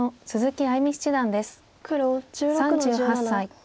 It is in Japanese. ３８歳。